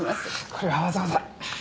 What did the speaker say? これはわざわざ。